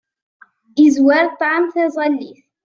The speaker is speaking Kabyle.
Izwar ṭṭɛam taẓallit.